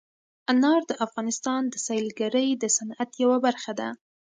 انار د افغانستان د سیلګرۍ د صنعت یوه برخه ده.